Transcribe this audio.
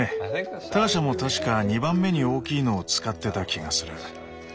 ターシャも確か２番目に大きいのを使ってた気がする。